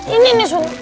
ini nih sun